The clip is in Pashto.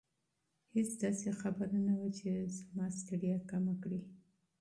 هیڅ داسې خبره نه وه چې زما ستړیا کمه کړي.